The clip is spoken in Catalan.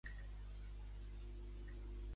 I aquest noi tan eixerit, és el Pagans petit?